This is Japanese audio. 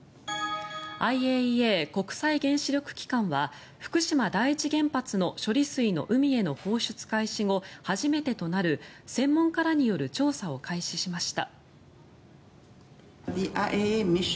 ＩＡＥＡ・国際原子力機関は福島第一原発の処理水の海への放出開始後初めてとなる専門家らによる調査を開始しました。